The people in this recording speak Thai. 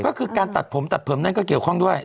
ก็คือการตัดผมตัดผมนั่นก็เกี่ยวข้องด้วย